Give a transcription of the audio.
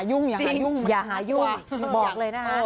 อย่าหายุ่งอย่าหายุ่ง